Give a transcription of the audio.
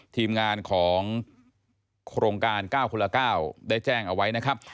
ทีมงานของโครงการ๙คนละ๙ได้แจ้งเอาไว้นะครับ